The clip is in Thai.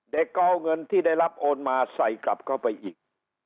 เด็กก็เอาเงินที่ได้รับโอนมาใส่กลับเข้าไปอีก